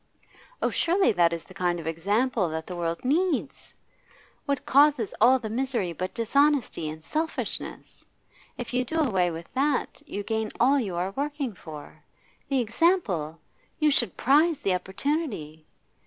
Oh, surely that is the kind of example that the world needs! What causes all the misery but dishonesty and selfishness? If you do away with that, you gain all you are working for. The example! You should prize the opportunity.